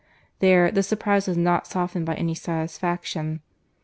—There, the surprize was not softened by any satisfaction.